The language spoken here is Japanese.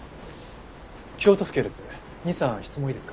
京都府警です。